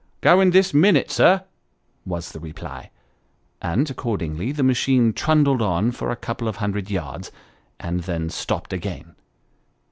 " Going this minute, sir," was the reply ; and, accordingly, the machine trundled on for a couple of hundred yards, and then stopped again.